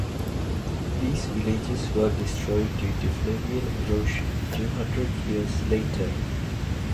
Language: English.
These villages were destroyed due to fluvial erosion two hundred years later.